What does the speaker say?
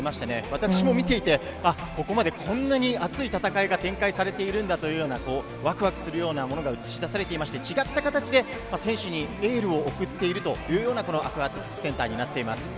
私も見ていて、あっ、ここまでこんなに熱い戦いが展開されているんだというようなわくわくするようなものが映し出されていまして、違った形で選手にエールを送っているというような、このアクアティクスセンターになっています。